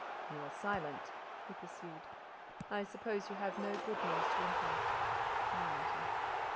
"You are silent," he pursued. "I suppose you have no good news to impart. No matter.